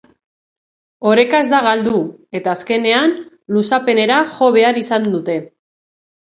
Oreka ez da galdu, eta azkenean luzapenera jo behar izan dute.